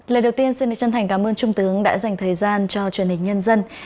lời đầu tiên xin chân thành cảm ơn trung tướng đã dành thời gian cho truyền hình nhân dân